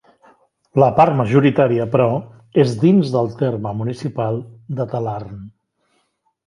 La part majoritària, però, és dins del terme municipal de Talarn.